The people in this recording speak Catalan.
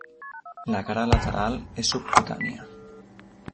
La cara lateral és subcutània.